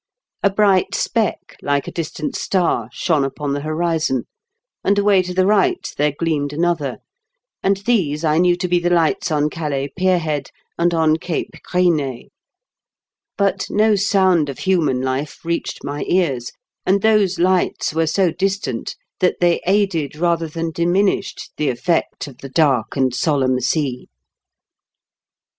A bright speck, like a distant star, shone upon the horizon, and away to the right there gleamed another ; and these I knew to be the lights on Calais pier head and on Cape Grisnez. But no sound of human life reached my ears, and those lights were so distant that they aided, rather than diminished, the effect of the dark and solemn sea.